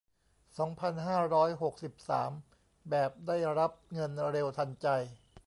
สองพันห้าร้อยหกสิบสาม แบบได้รับเงินเร็วทันใจ